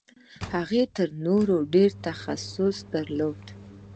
هغه تر نورو ډېر تخصص درلود.